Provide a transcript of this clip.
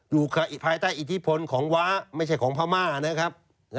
ภายใต้อิทธิพลของว้าไม่ใช่ของพม่านะครับ